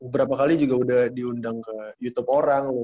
beberapa kali juga udah diundang ke youtube orang